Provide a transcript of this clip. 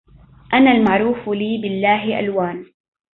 أنا المعروف لي بالله ألوان